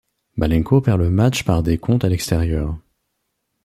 Malenko perd le match par décompte à l'extérieur.